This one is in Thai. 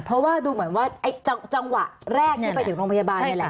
เพราะว่าดูเหมือนว่าจังหวะแรกที่ไปถึงโรงพยาบาลนี่แหละ